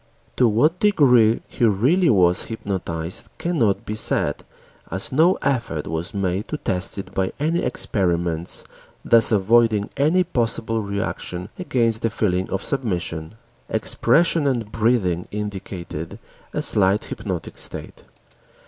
To what degree he really was hypnotized cannot be said as no effort was made to test it by any experiments, thus avoiding any possible reaction against the feeling of submission. Expression and breathing indicated a slight hypnoid state.